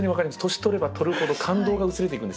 年取れば取るほど感動が薄れていくんですよ。